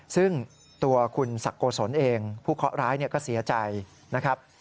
ซึ่งตัวคุณศักดิ์โกศลเองผู้เคาะร้ายก็เสียใจนะครับ